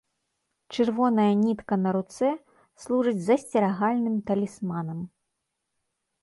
Чырвоная нітка на руцэ служыць засцерагальным талісманам.